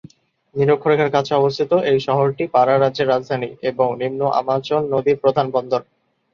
নিরক্ষরেখার কাছে অবস্থিত এই শহরটি পারা রাজ্যের রাজধানী, এবং নিম্ন আমাজন নদীর প্রধান বন্দর।